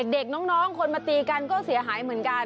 เด็กน้องคนมาตีกันก็เสียหายเหมือนกัน